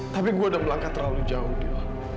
tapi gue udah melangkah terlalu jauh gitu